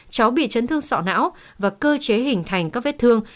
cháu bị chấn thương sọ não và cơ chế hình thành các vết thương